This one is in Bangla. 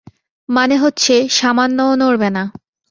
মানে হচ্ছে, সামান্যও নড়বে না।